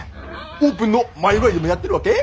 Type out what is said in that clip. オープンの前祝いでもやってるわけ？